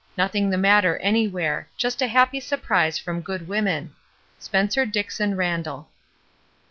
Nothing the matter anywhere. Just a happy surprise from good women. ^^ gpENCER Dixon Randall."